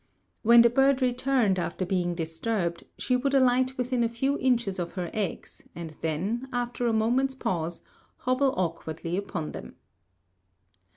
When the bird returned after being disturbed, she would alight within a few inches of her eggs and then, after a moment's pause, hobble awkwardly upon them.